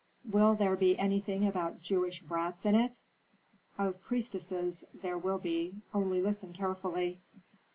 "Will there be anything about Jewish brats in it?" "Of priestesses there will be; only listen carefully.